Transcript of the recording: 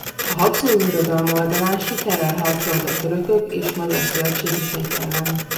A Habsburg Birodalom oldalán sikerrel harcolt a törökök és magyar szövetségeseik ellen.